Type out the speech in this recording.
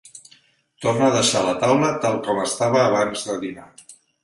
Torna a deixar la taula tal com estava abans de dinar.